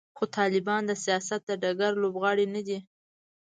خو طالبان د سیاست د ډګر لوبغاړي نه دي.